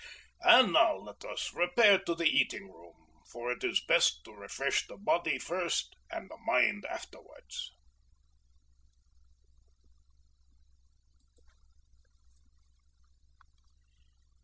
And now let us repair to the eating room, for it is best to refresh the body first, and the mind afterwards."